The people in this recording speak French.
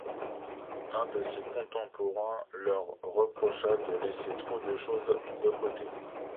Un de ses contemporains leur reprocha de laisser trop de choses de côté.